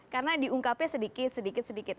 karena diungkapnya sedikit sedikit sedikit